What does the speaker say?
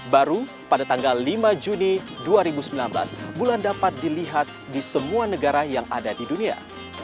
baru pada tanggal lima juni dua ribu sembilan belas bulan dapat dilihat di semua negara yang ada di dunia